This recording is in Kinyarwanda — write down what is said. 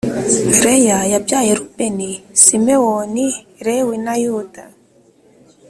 Leya yabyaye Rubeni Simewoni Lewi na Yuda